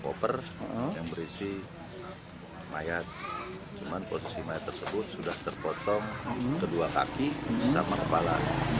koper berisi mayat yang tersebut sudah terpotong kedua kaki dan kepala